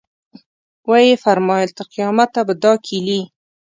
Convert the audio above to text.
ویې فرمایل تر قیامته به دا کیلي.